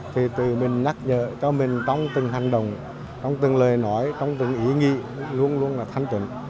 thì từ mình nhắc nhở cho mình trong từng hành động trong từng lời nói trong từng ý nghị luôn luôn là thanh chuẩn